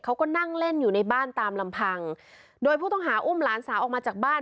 เขาก็นั่งเล่นอยู่ในบ้านตามลำพังโดยผู้ต้องหาอุ้มหลานสาวออกมาจากบ้าน